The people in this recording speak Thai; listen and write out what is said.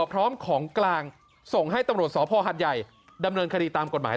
พร้อมของกลางส่งให้ตำรวจสพหัดใหญ่ดำเนินคดีตามกฎหมาย